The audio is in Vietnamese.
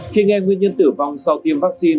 khi nghe nguyên nhân tử vong sau tiêm vắc xin